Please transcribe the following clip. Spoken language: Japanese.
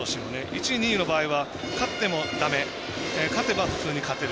１位、２位の時は勝ってもだめ勝てば普通に勝てる。